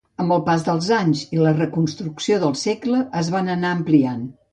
Amb el pas dels anys i la reconstrucció del segle es va anar ampliant.